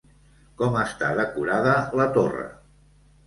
Com està decorada la torre?